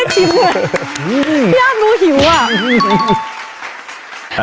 พี่อันดูหิวอะ